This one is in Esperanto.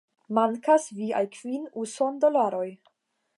Mankas viaj kvin usondolaroj